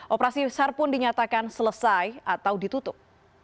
operasi besar pun dinyatakan selesai atau ditutup